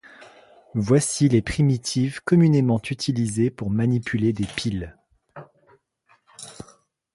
Voici les primitives communément utilisées pour manipuler des piles.